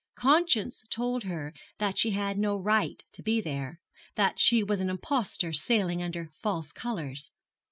Conscience told her that she had no right to be there, that she was an impostor sailing under false colours.